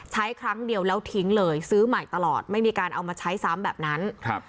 ครั้งเดียวแล้วทิ้งเลยซื้อใหม่ตลอดไม่มีการเอามาใช้ซ้ำแบบนั้นครับ